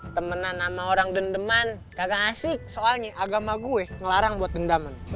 temenan sama orang dendeman kagak asik soalnya agama gue ngelarang buat dendaman